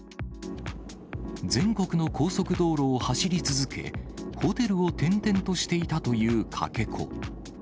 全国の高速道路を走り続け、ホテルを転々としていたというかけ子。